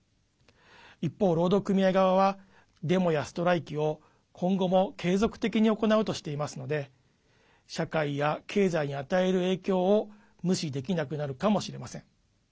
一方、労働組合側はデモやストライキを今後も継続的に行うとしていますので社会や経済に与える影響を無視できなくなるかもしれません。